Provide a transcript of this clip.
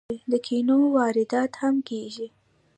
د کینو واردات هم کیږي.